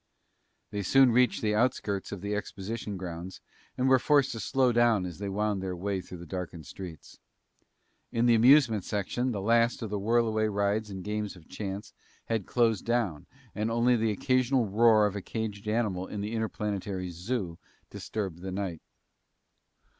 They soon reached the outskirts of the exposition grounds and were forced to slow down as they wound their way through the darkened streets. In the amusement section, the last of the whirlaway rides and games of chance had closed down and only the occasional roar of a caged animal in the interplanetary zoo disturbed the night.